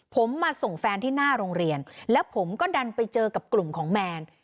ผมมาส่งแฟนที่หน้าโรงเรียนแล้วผมก็ดันไปเจอกับกลุ่มของแมน